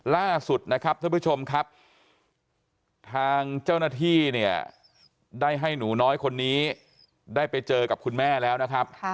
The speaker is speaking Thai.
ล่าสุดนะครับท่านผู้ชมครับทางเจ้าหน้าที่เนี่ยได้ให้หนูน้อยคนนี้ได้ไปเจอกับคุณแม่แล้วนะครับ